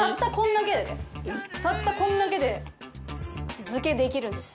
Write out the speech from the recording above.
たったこれだけで漬けできるんです。